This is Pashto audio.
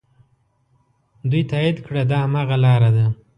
دوی تایید کړه دا هماغه لاره ده.